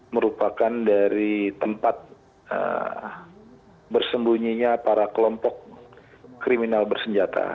merupakan dari tempat bersembunyinya para kelompok kriminal bersenjata